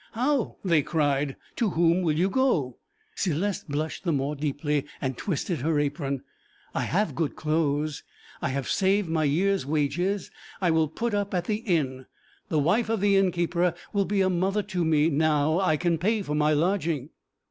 'How!' they cried. 'To whom will you go?' Céleste blushed the more deeply, and twisted her apron. 'I have good clothes; I have saved my year's wages. I will put up at the inn. The wife of the innkeeper will be a mother to me now I can pay for my lodging.'